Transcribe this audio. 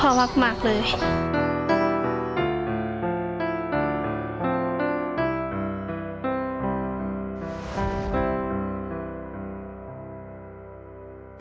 มาพบกับแก้วตานะครับนักสู้รุ่นจี๊วแห่งแดนอิสานสู้ชีวิตสู้งาน